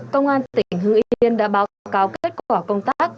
công an tỉnh hưng yên đã báo cáo kết quả công tác